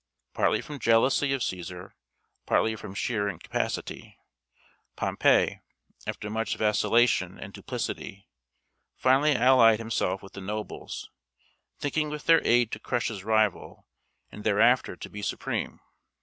Partly from jealousy of Cæsar, partly from sheer incapacity, Pompey, after much vacillation and duplicity, finally allied himself with the nobles, thinking with their aid to crush his rival and thereafter to be supreme.